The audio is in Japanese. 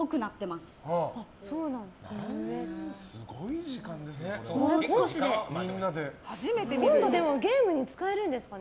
すごい時間ですね。